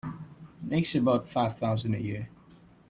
Makes about five thousand a year.